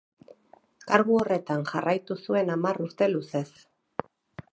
Kargu horretan jarraitu zuen hamar urte luzez.